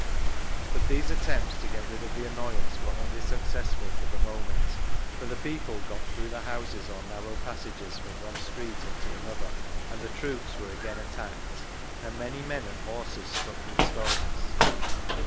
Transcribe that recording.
But these attempts to get rid of the annoyance wen only successful for the moment, for the peo{de got through the bouses or narrow passages from one street into another, and the troops were again attacked, and many men and horses struck with stones.